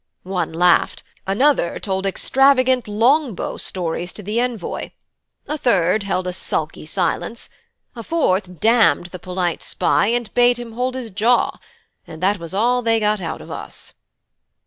One laughed; another told extravagant long bow stories to the envoy; a third held a sulky silence; a fourth damned the polite spy and bade him hold his jaw and that was all they got out of us.'